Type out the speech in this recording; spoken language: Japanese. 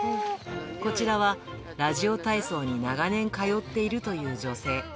こちらはラジオ体操に長年通っているという女性。